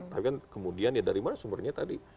tapi kan kemudian ya dari mana sumbernya tadi